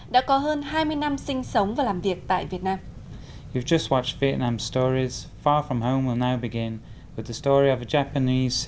đã có hơn hai mươi năm sinh sống và làm việc